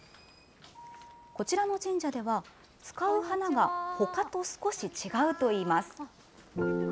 こちらの神社では、使う花がほかと少し違うといいます。